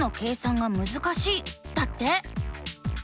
だって。